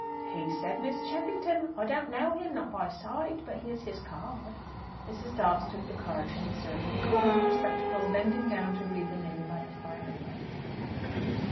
"He said 'Miss Cheffington.' I don't know him, not by sight. But here's his card." Mrs. Dobbs took the card from the servant, and put on her spectacles, bending down to read the name by the firelight.